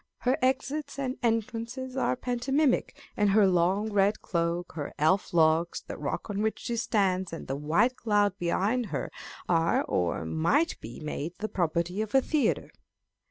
Her exits and entrances are panto mimic, and her long red cloak, her elf locks, the rock on which she stands, and the white cloud behind her, are or might be made the property of a theatre.